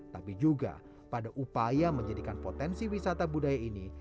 tapi juga pada upaya menjadikan potensi wisata budaya ini